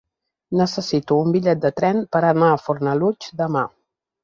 Necessito un bitllet de tren per anar a Fornalutx demà.